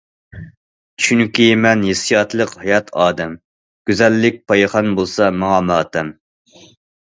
چۈنكى مەن- ھېسسىياتلىق ھايات ئادەم، گۈزەللىك پايخان بولسا ماڭا ماتەم.